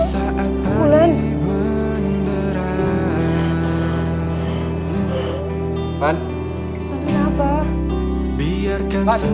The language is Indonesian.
hanya membuat diriku terluka